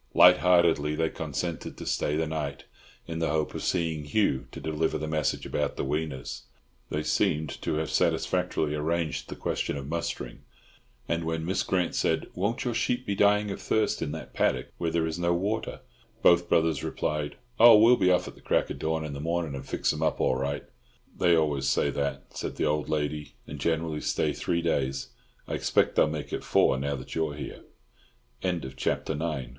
Lightheartedly they consented to stay the night, in the hope of seeing Hugh, to deliver their message about the weaners—they seemed to have satisfactorily arranged the question of mustering. And when Miss Grant said, "Won't your sheep be dying of thirst in that paddock, where there is no water?" both brothers replied, "Oh, we'll be off at crack of dawn in the morning and fix 'em up all right." "They always say that," said the old lady, "and generally stay three days. I expect they'll make it four, now that you're here." CHAPTER X. A LAWYER IN THE BUSH.